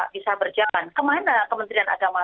bisa berjalan kemana kementerian agama